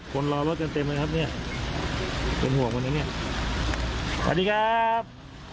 คนรอรถเต็มเต็มเลยครับเนี้ยเป็นห่วงกันอย่างเงี้ยสวัสดีครับ